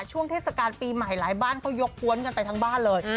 ช่วงเทศกาลปีใหม่หลายบ้านเขายกกวนกันไปทั้งบ้านเลย